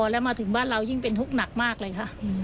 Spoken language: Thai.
แล้วมาถึงบ้านเรายิ่งเป็นทุกข์หนักมากเลยค่ะ